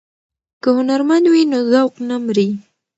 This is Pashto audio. که هنرمند وي نو ذوق نه مري.